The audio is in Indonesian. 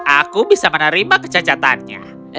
aku bisa menerima kecacatannya